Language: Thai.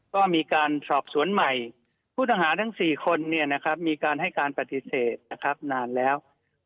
ก็มีการสอบสวนใหม่ผู้ต่างหาทั้ง๔คนเนี่ยมีการให้การปฏิเสธนานแล้ว